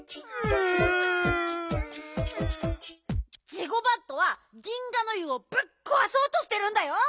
ジゴバットは銀河ノ湯をぶっこわそうとしてるんだよ。